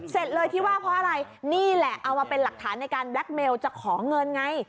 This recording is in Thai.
เลยที่ว่าเพราะอะไรนี่แหละเอามาเป็นหลักฐานในการแล็คเมลจะขอเงินไง